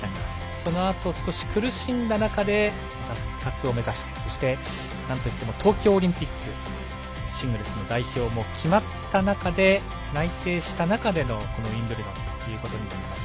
そのあと少し苦しんだ中で復活を目指してそして、なんといっても東京オリンピックシングルスの代表も決まった中で内定した中でのこのウィンブルドンとなります。